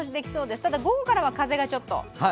ただ午後からは風がちょっと。